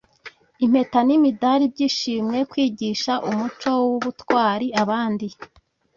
impeta n’imidari by’ishimwe kwigisha umuco w’ubutwari abandi